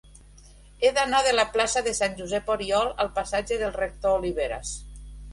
He d'anar de la plaça de Sant Josep Oriol al passatge del Rector Oliveras.